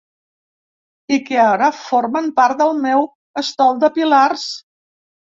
I que ara formen part del meu estol de pilars.